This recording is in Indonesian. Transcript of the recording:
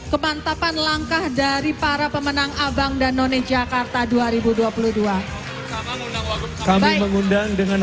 kemantapan langkah dari para pemenang abang dan none jakarta dua ribu dua puluh dua abang dengan